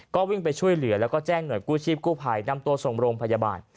ก็วิ่งไปช่วยเหลือแล้วก็แจ้งหน่วยกู้ชีพกู้ภัยนำตัวส่งโรงพยาบาล